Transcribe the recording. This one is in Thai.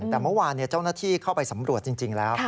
แต่เมื่อวานเจ้าหน้าที่เข้าไปสำรวจจริงแล้ว